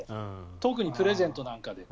特にプレゼントなんかで。